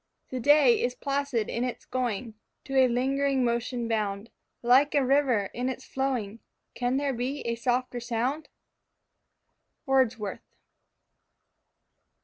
"The day is placid in its going, To a lingering motion bound, Like a river in its flowing Can there be a softer sound?" _Wordsworth.